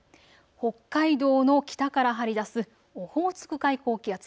北海道の北から張り出すオホーツク海高気圧